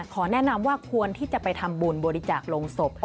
ขอแนะนำว่าควรที่จะไปทำบุญบริจาคลงศพ